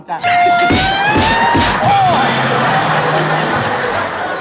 อาหารการกิน